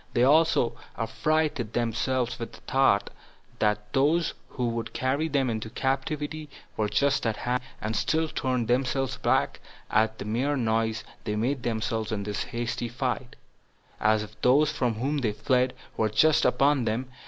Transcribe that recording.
They also affrighted themselves with this thought, that those who would carry them into captivity were just at hand, and still turned themselves back at the mere noise they made themselves in this their hasty flight, as if those from whom they fled were just upon them.